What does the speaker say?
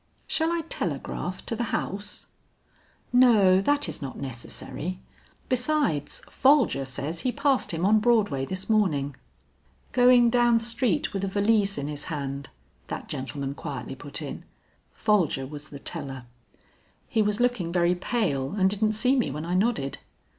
"Shall I telegraph to the house?" "No, that is not necessary. Besides Folger says he passed him on Broadway this morning." "Going down street with a valise in his hand," that gentlemen quietly put in. Folger was the teller. "He was looking very pale and didn't see me when I nodded."